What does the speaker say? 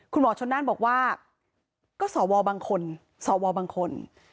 คุณหมอชนน่านบอกว่าก็สวบางคนสวบางคน